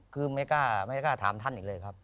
คือไม่กล้าถามท่านอีกเลยครับ